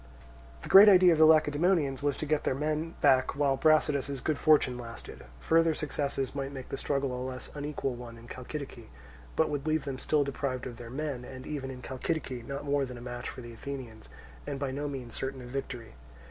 The great idea of the Lacedaemonians was to get back their men while Brasidas's good fortune lasted: further successes might make the struggle a less unequal one in Chalcidice, but would leave them still deprived of their men, and even in Chalcidice not more than a match for the Athenians and by no means certain of victory.